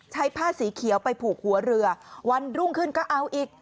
ผ้าสีเขียวไปผูกหัวเรือวันรุ่งขึ้นก็เอาอีก